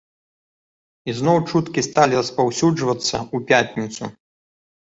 Ізноў чуткі сталі распаўсюджвацца ў пятніцу.